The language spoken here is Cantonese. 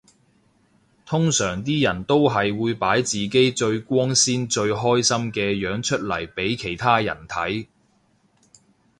通常啲人都係會擺自己最光鮮最開心嘅樣出嚟俾其他人睇